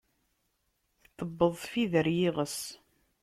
Tewweḍ tfidi ar iɣes.